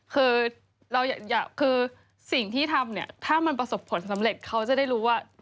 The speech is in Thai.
คือสิ่งที่ทำเนี่ยถ้ามันประสบผลสำเร็จเขาจะได้รู้ว่า